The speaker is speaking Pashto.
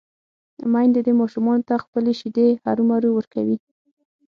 ميندې دې ماشومانو ته خپلې شېدې هرومرو ورکوي